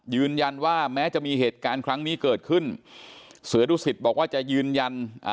ยืนยันว่าแม้จะมีเหตุการณ์ครั้งนี้เกิดขึ้นเสือดุสิตบอกว่าจะยืนยันอ่า